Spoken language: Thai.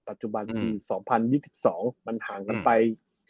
ปัจจุบันคือ๒๐๒๒มันห่างกันไป